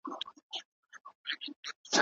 اسلام د شتمنۍ په وېش کي پوره عدالت کوي.